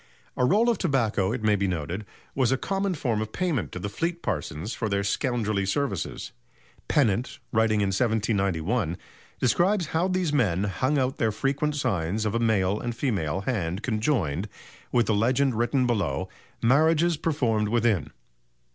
A roll of tobacco, it may be noted, was a common form of payment to the Fleet parsons for their scoundrelly services. Pennant, writing in 1791, describes how these men hung out their frequent signs of a male and female hand conjoined, with the legend written below: "Marriages performed within."